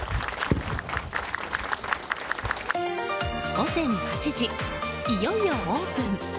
午前８時、いよいよオープン。